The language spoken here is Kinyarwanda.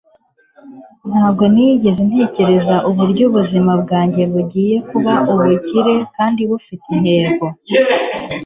ntabwo nigeze ntekereza uburyo ubuzima bwanjye bugiye kuba ubukire kandi bufite intego